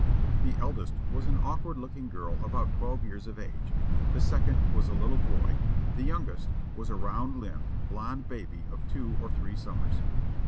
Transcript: The eldest was an awkward looking girl about twelve years of age; the second was a little boy; the youngest was a round limbed, blond baby of two or three summers.